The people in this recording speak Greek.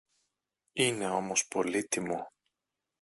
Είναι όμως πολύτιμο.